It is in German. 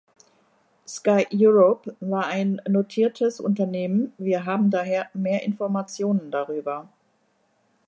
SkyEurope war ein notiertes Unternehmen, wir haben daher mehr Informationen darüber.